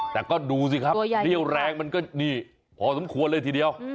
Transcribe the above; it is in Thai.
แต่ก็ดูสิครับเรี่ยวแรงมันก็นี่พอสมควรเลยทีเดียว